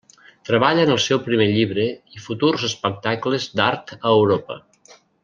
Treballa en el seu primer llibre i futurs espectacles d'art a Europa.